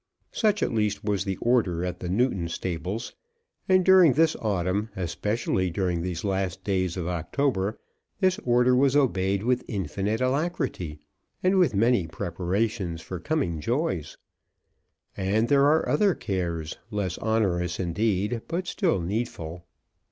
Such at least was the order at the Newton stables; and during this autumn, especially during these last days of October, this order was obeyed with infinite alacrity, and with many preparations for coming joys. And there are other cares, less onerous indeed, but still needful.